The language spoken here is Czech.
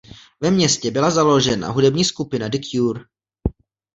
Ve městě byla založena hudební skupina The Cure.